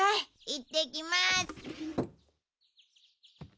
いってきます。